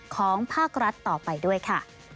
ของภาครัฐต่อไปด้วยค่ะ